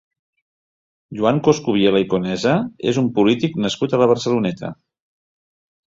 Joan Coscubiela i Conesa és un polític nascut a la Barceloneta.